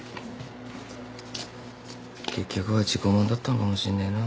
結局は自己満だったのかもしんねえな。